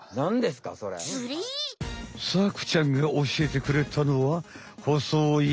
サクちゃんがおしえてくれたのはほそい